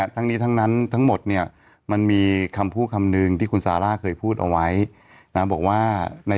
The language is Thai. ทั้งนี้ทั้งนั้นทั้งหมดมันมีคำพูดคำหนึ่งที่คุณซาร่าเคยพูดเอาไว้